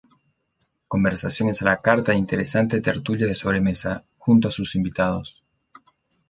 Conversaciones a la carta e interesante tertulia de sobremesa, junto a sus invitados.